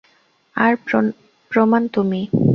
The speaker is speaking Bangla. তার প্রমাণ তুমি।